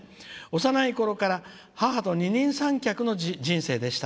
幼いころから母と二人三脚の人生でした。